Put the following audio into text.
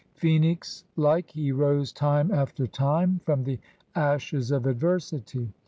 Phoenix like, he rose time after time from the ashes of adversity.